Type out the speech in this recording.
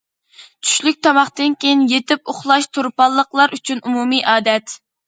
چۈشلۈك تاماقتىن كېيىن يېتىپ ئۇخلاش تۇرپانلىقلار ئۈچۈن ئومۇمىي ئادەت.